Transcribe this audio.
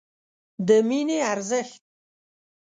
د مینې ارزښت